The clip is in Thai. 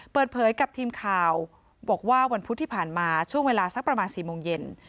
เปิดเผยกับทีมข่าวบอกว่าวันพุธที่ผ่านมาช่วงเวลาสักประมาณ๔โมงเย็น